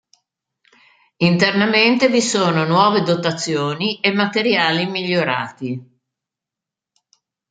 Internamente vi sono nuove dotazioni e materiali migliorati.